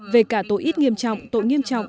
về cả tội ít nghiêm trọng